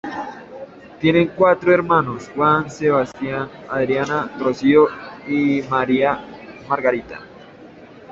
Tiene cuatro hermanos: Juan Sebastián, Adriana, Rocío y María Margarita.